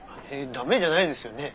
ダメじゃないですよね？